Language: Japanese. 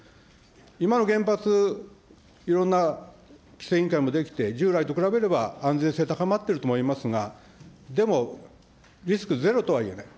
今の原発、いろんな規制委員会も出来て、従来と比べれば安全性高まっていると思いますが、でもリスクゼロとはいえない。